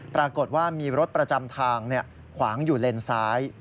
ปรากฏว่ามีรถประจำทางขวางอยู่เลนซ้าย